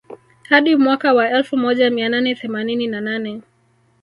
Hadi mwaka wa elfu moja mia nane themanini na nane